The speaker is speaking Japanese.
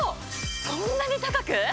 そんなに高く？